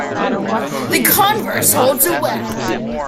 The converse holds as well.